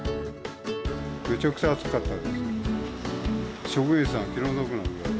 めちゃくちゃ暑かったです。